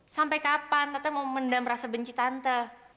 sampai kapan tante mau mendam rasa benci tante